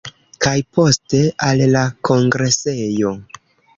Kaj poste al la kongresejo.